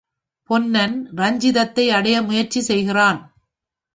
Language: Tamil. பொன்னன் ரஞ்சிதத்தை அடைய முயற்சி செய்கிறான்.